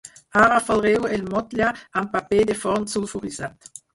Ara folreu el motlle amb paper de forn sulfuritzat